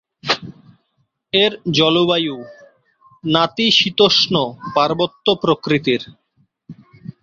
এর জলবায়ু নাতিশীতোষ্ণ পার্বত্য প্রকৃতির।